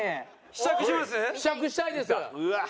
試着したいです！